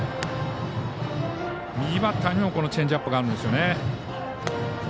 右バッターにもチェンジアップがあります。